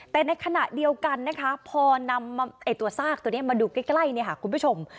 แต่ในขณะเดียวกันนะคะพอนำตัวซากตัวนี้มาดูใกล้เนี่ยค่ะคุณผู้ชม